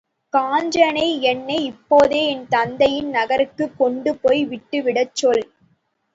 காஞ்சனை என்னை இப்போதே என் தந்தையின் நகருக்குக் கொண்டு போய் விட்டுவிடச் சொல்!